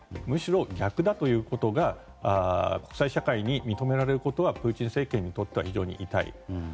むしろ逆だということが国際社会に認められることはプーチン政権にとっては非常に痛い。